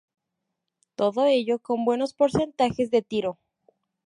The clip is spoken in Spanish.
Todo ello con buenos porcentajes de tiro.